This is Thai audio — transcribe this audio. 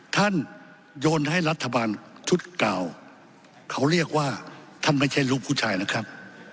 โยนให้รัฐบาลชุดเก่าเขาเรียกว่าท่านไม่ใช่ลูกผู้ชายนะครับ